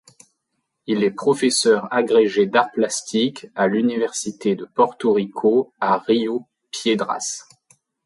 Il est professeur agrégé d'arts plastiques à l'université de Porto Rico à Río Piedras.